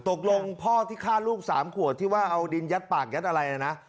ตกลงพ่อที่ฆ่าลูก๓ขวบที่ว่าเอาดินยัดปากยัดอะไรนะ